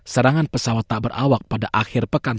serangan pesawat tak berawak pada akhir pekan